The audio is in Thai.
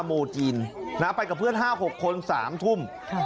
แต่ปะทังก้าโมจีนไปกับเพื่อน๕๖คน๓ทุ่ม